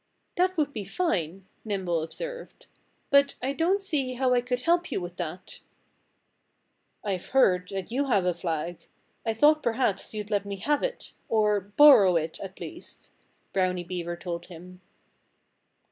"That would be fine," Nimble observed. "But I don't see how I could help you with that." "I've heard that you have a flag. I thought perhaps you'd let me have it or borrow it, at least," Brownie Beaver told him.